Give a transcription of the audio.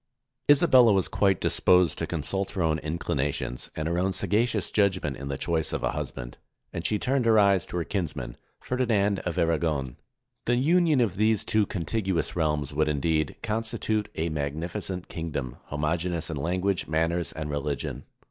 ] Isabella was quite disposed to consult her own inclina tions, and her own sagacious judgment in the choice of a husband, and she turned her eyes to her kinsman, Fer dinand of Aragon. The union of these two contiguous realms would, indeed, constitute a magnificent king dom, homogeneous in language, manners, and religion.